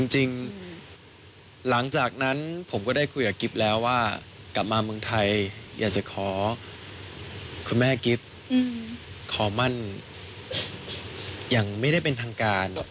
หลังจากนั้นผมก็ได้คุยกับกิ๊บแล้วว่ากลับมาเมืองไทยอยากจะขอคุณแม่กิฟต์ขอมั่นอย่างไม่ได้เป็นทางการ